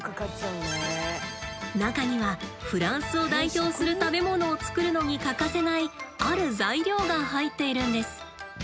中にはフランスを代表する食べ物を作るのに欠かせないある材料が入っているんです。